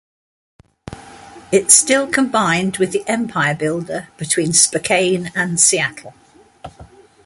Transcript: It still combined with the "Empire Builder" between Spokane and Seattle.